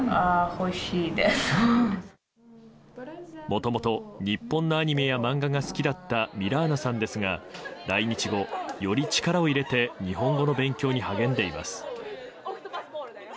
もともと日本のアニメや漫画が好きだったミラーナさんですが来日後、より力を入れて日本語の勉強に励んでいます。